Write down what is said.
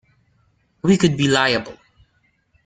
We could be liable.